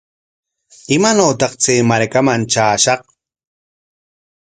¿Imaanawtaq chay markaman traashaq?